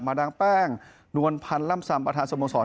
มาดังแป้งนวลพันธุ์ล่ำซำประธานสมสอน